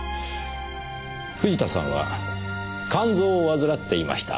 藤田さんは肝臓を患っていました。